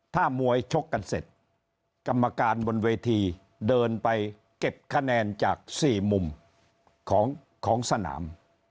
ถ้ามวยชกกันเสร็จกรรมการบนเวทีเดินไปเก็บคะแนนจาก๔มุมของสนาม